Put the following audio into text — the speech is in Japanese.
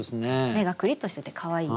目がくりっとしててかわいい子ですね。